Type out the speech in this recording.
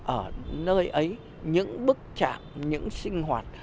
ở nơi ấy những bức chạm những sinh hoạt